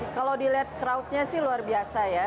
kalau dilihat crowd nya sih luar biasa ya